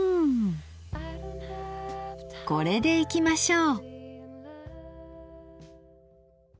これでいきましょう。